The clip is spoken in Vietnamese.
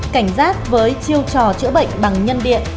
cảnh giác với chiêu trò chữa bệnh bằng nhân điện